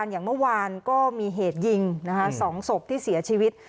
อย่างเมื่อวานก็มีเหตุยิง๒ศพที่เสียชีวิต